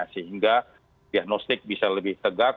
sehingga diagnostik bisa lebih tegak